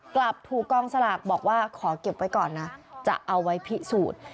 กลับถูกกองสลากบอกว่าขอเก็บไว้ก่อนนะจะเอาไว้พิสูจน์